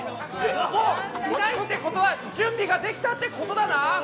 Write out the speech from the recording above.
いないってことは準備ができたってことだな。